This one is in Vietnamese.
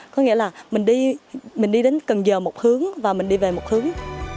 có nghĩa là mình đi đến cần dơ một hướng và mình đi về một hướng